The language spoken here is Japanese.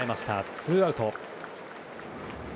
ツーアウト。